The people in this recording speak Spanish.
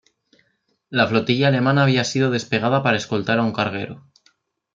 La flotilla alemana había sido desplegada para escoltar a un carguero.